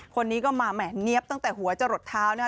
คนนี้ก็มาแห่เนี๊ยบตั้งแต่หัวจะหลดเท้านะฮะ